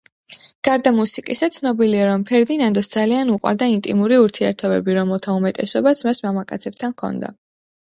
გარდა მუსიკისა, ცნობილია, რომ ფერდინანდოს ძალიან უყვარდა ინტიმური ურთიერთობები, რომელთა უმეტესობაც მას მამაკაცებთან ჰქონდა.